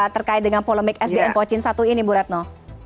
terkait dengan polemik sdn pocin satu ini bu ratno